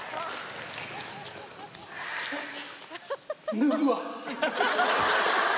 脱ぐわ。